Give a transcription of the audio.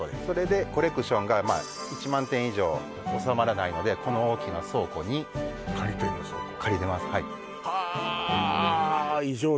それでコレクションが１万点以上収まらないのでこの大きな倉庫に借りてますああ